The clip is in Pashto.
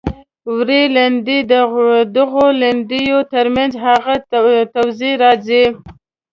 وړې لیندۍ د دغو لیندیو تر منځ هغه توضیح راځي.